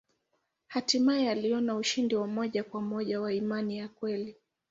Hatimaye aliona ushindi wa moja kwa moja wa imani ya kweli.